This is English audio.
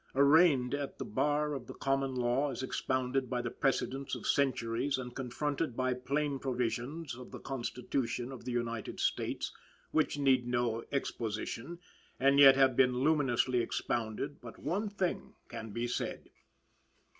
Arraigned at the bar of the common law as expounded by the precedents of centuries, and confronted by plain provisions of the Constitution of the United States, which need no exposition and yet have been luminously expounded; but one thing can be said.